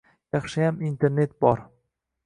Yaxshiyam internet bor.